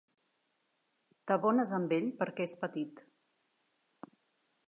T'abones amb ell perquè és petit.